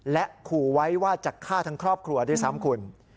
และขู่ไว้ว่าจะฆ่าทั้งครอบครัวด้วยซ้ำคุณ